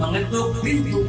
dengan penuh pengharapan